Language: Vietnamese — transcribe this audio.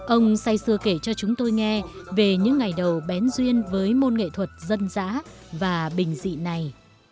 ông say xưa kể cho chúng tôi nghe về những ngày đầu bén duyên với môn nghệ thuật dân dã và bình dị này